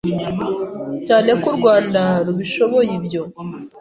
cyane ko u Rwanda rubishoboye ibyo